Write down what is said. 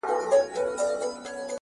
هوښیار انتخاب د وخت درناوی دی!